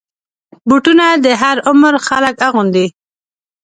بوټونه د هر عمر خلک اغوندي.